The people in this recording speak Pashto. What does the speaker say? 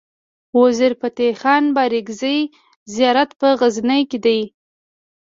وزیر فتح خان بارګزی زيارت په غزنی کی دی